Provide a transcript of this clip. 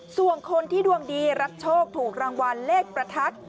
ส่วนคนที่ดวงดีรับโชคถูกรางวัลเลขประทัด